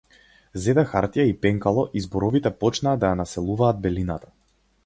Зеде хартија и пенкало и зборовите почнаа да ја населуваат белината.